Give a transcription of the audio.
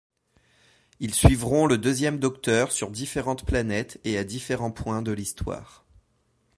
Ils suivront le Deuxième Docteur sur différentes planètes et à différents points de l'Histoire.